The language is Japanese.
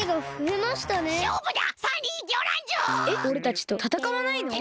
えっおれたちとたたかわないの？